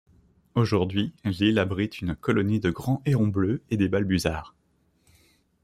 Aujourd'hui, l'île abrite une colonie de grands hérons bleu et des balbuzards.